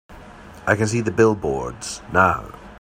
I can see the billboards now.